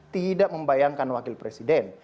tidak membayangkan wakil presiden